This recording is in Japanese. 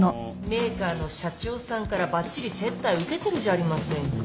メーカーの社長さんからばっちり接待受けてるじゃありませんか。